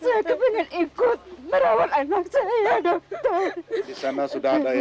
saya tahu kan keluarga di sini